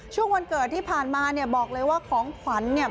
ช่วงวันเกิดที่ผ่านมาบอกเลยว่าของขวัญ